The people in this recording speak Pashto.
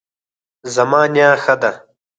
زما نیا ښه ده